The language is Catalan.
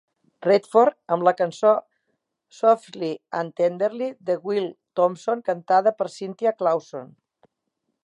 Redford amb la cançó "Softly and Tenderly" de Will Thompson cantada per Cynthia Clawson.